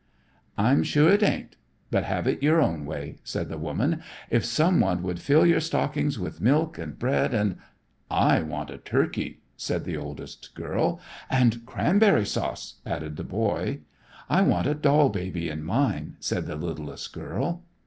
"I'm sure it ain't. But have it your own way," said the woman. "If someone would fill your stockings with milk and bread and " "I want a turkey," said the oldest girl. "And cranberry sauce," added the boy. "I want a doll baby in mine," said the littlest girl.